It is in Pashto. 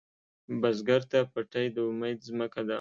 بزګر ته پټی د امید ځمکه ده